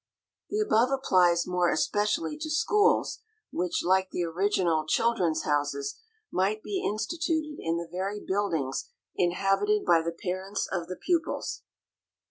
The above applies more especially to schools which, like the original "Children's Houses," might be instituted in the very buildings inhabited by the parents of the pupils.